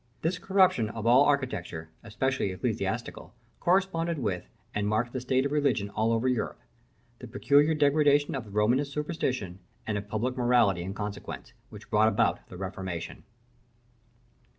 This corruption of all architecture, especially ecclesiastical, corresponded with, and marked the state of religion over all Europe, the peculiar degradation of the Romanist superstition, and of public morality in consequence, which brought about the Reformation.